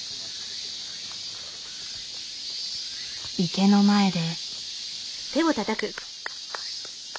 池の前で。